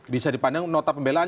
bisa dipandang nota pembelaan